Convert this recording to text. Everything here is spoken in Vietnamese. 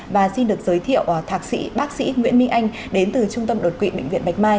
và xin được giới thiệu thạc sĩ bác sĩ nguyễn minh anh đến từ trung tâm đột quỵ bệnh viện bạch mai